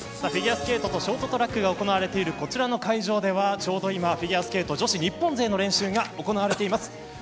フィギュアスケートとショートトラックが行われているこちらの会場では、ちょうど今フィギュアスケート女子日本勢の練習が行われています。